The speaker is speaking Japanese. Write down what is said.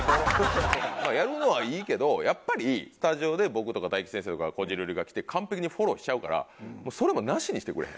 やるのはいいけどやっぱりスタジオで僕とか大吉先生とかこじるりが来て完璧にフォローしちゃうから。